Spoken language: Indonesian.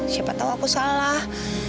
siapa tau aku salah